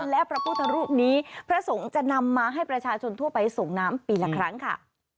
และพระพุทธรูปนี้พระสงฆ์จะนำมาให้ประชาชนทั่วไปส่งน้ำปีละครั้งค่ะ